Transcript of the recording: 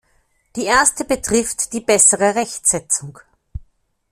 Die erste betrifft die bessere Rechtsetzung.